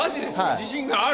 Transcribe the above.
自信がある？